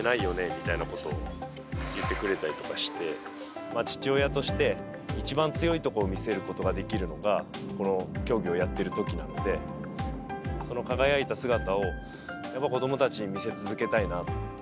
みたいなことを言ってくれたりとかして、父親として、一番強いところを見せることができるのが、この競技をやってるときなんで、その輝いた姿を、やっぱり子どもたちに見せ続けたいな。